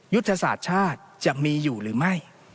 ยุทธศาสตร์ชาติจะมีอยู่หรือไม่